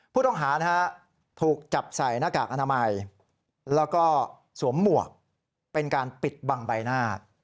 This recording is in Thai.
ผู้ต้องหาถูกจับใส่หน้ากากอนามัยแล้วก็สวมหมวกเป็นการปิดบังใบหน้า